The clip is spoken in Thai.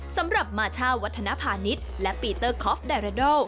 สำหรับมาช่าวัฒนภาณิชย์และปีเตอร์คอฟไดราโด